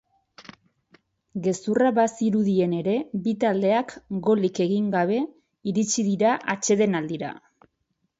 Gezurra bazirudien ere, bi taldeak golik egin gabe iritsi dira atsedenaldira.